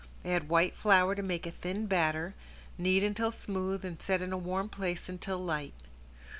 Add white flour to make a thin batter, beat until smooth and set in a warm place until light.